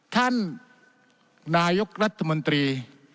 ท่านนายกรัฐมนตรี